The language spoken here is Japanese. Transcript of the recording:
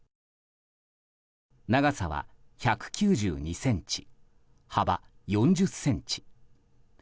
長さは１９２ｃｍ、幅４０ｃｍ。